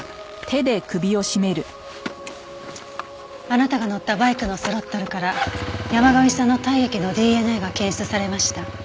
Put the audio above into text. あなたが乗ったバイクのスロットルから山神さんの体液のＤＮＡが検出されました。